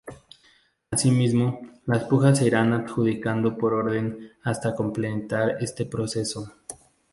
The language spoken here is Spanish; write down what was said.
Asimismo, las pujas se irán adjudicando por orden hasta completar este proceso.